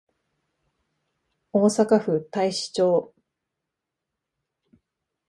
大阪府太子町